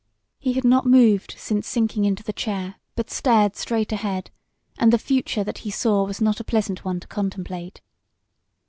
He had not moved since sinking into the chair, but stared straight ahead and the future that he saw was not a pleasant one to contemplate.